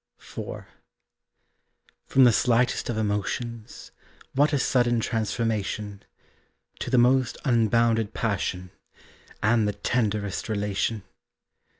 IV. From the slightest of emotions, What a sudden transformation, To the most unbounded passion, And the tenderest relation!